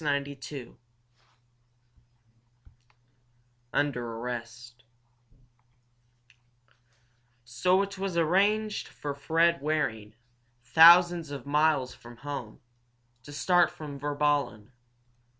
CHAPTER II UNDER ARREST So it was arranged for Fred Waring, thousands of miles from home, to start from Virballen.